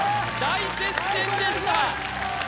大接戦でした